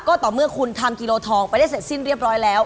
ก็ต่อเมื่อคุณทำกิโลทองไปได้เสร็จสิ้นเรียบร้อยแล้ว